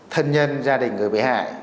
thân nhân gia đình người bị hại